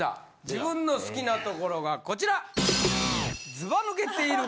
・自分の好きなところがこちら！